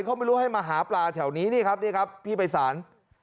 เขาไม่รู้ให้มาหาปลาแถวนี้นี่ครับพี่ไพรศาล